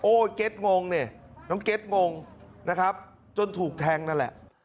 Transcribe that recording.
เก็ตงงนี่น้องเก็ตงงนะครับจนถูกแทงนั่นแหละ